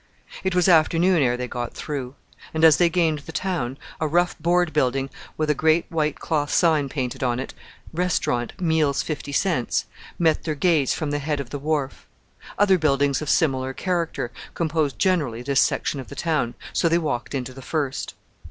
It was afternoon ere they got through; and as they gained the town, a rough board building with a great white cloth sign painted on it "Restaurant, meals 50 cents" met their gaze from the head of the wharf. Other buildings of similar character composed generally this section of the town, so they walked into the first.